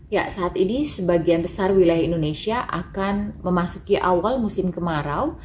ya saat ini sebagian besar wilayah indonesia akan memasuki awal musim kemarau